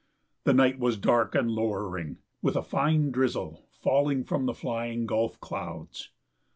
The night was dark and lowering, with a fine drizzle falling from the flying gulf clouds.